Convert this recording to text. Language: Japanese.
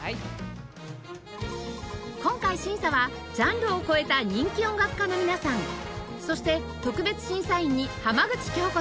今回審査はジャンルを超えた人気音楽家の皆さんそして特別審査員に浜口京子さん